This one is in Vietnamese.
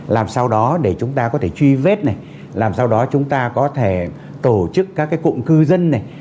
làm sao đó để chúng ta có thể truy vết này làm sao đó chúng ta có thể tổ chức các cái cụm cư dân này